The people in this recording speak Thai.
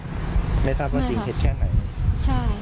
หรือว่าเขาได้มีโอกาสมา